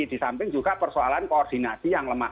di samping juga persoalan koordinasi yang lemah